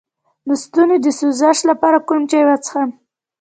د ستوني د سوزش لپاره کوم چای وڅښم؟